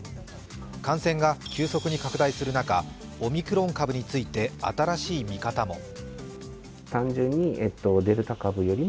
感染が急速に拡大する中オミクロン株について新しい見方も。